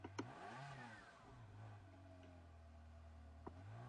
Su pensamiento es "dual", basado en oposiciones como sol-luna, masculino-femenino.